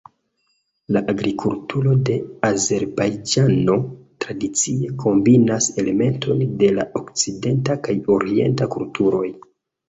La arkitekturo de Azerbajĝano tradicie kombinas elementojn de la okcidenta kaj orienta kulturoj.